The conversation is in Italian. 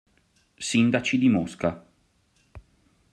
Sindaci di Mosca